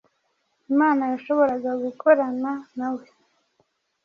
Imana yashoboraga gukorana na we,